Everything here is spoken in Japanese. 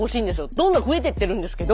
どんどん増えてってるんですけど。